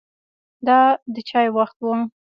د چای وخت و.